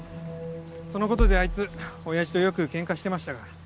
そのことであいつ親父とよくケンカしてました。